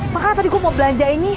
makanya tadi gue mau belanja ini